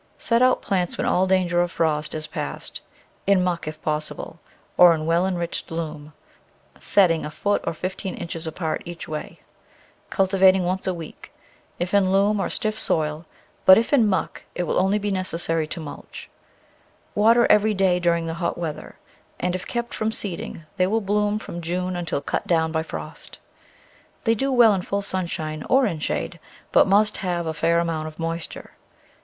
Set out plants, when all danger of frost is past, in muck, if possible, or in well enriched loam, setting a foot or fifteen inches apart each way, culti vat Digitized by Google n6 The Flower Garden [Chapter ing once a week, if in loam or stiff soil, but if in muck it will only be necessary to mulch. Water every day during the hot weather, and if kept from seeding they will bloom from June until cut down by frost. They do well in full sunshine or in shade, but must have a fair amount of moisture.